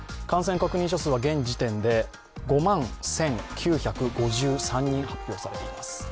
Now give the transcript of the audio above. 感染確認者数は現時点で５万１９５３人発表されています。